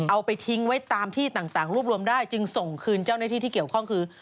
เอาไปทิ้งไว้ตามที่ต่างรวบรวมได้จึงส่งคืนเจ้าหน้าที่ที่เกี่ยวข้องคือ